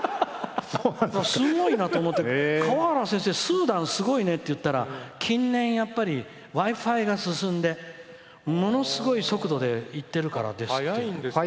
すごいなと思って川原先生、スーダンすごいねって言ったら、近年Ｗｉ‐Ｆｉが進んでものすごい速度でいってるから。